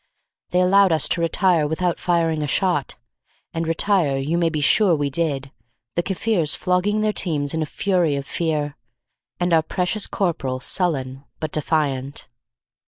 They allowed us to retire without firing a shot; and retire you may be sure we did, the Kaffirs flogging their teams in a fury of fear, and our precious corporal sullen but defiant.